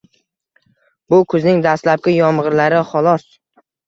Bu kuzning dastlabki yomgʻirlari xolos.